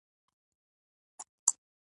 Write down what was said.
هغه به له پایتخت څخه روان شي.